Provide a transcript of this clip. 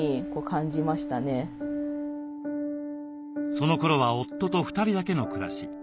そのころは夫と２人だけの暮らし。